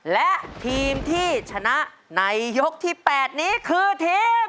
และทีมที่ชนะในยกที่๘นี้คือทีม